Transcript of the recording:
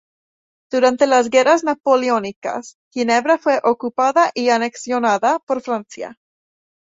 Durante las guerras Napoleónicas, Ginebra fue ocupada y anexionada por Francia.